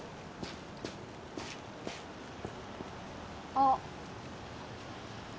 あっ。